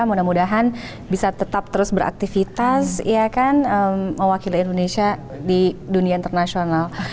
mudah mudahan bisa tetap terus beraktivitas mewakili indonesia di dunia internasional